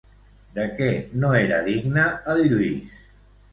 De què no era digne el Lluís?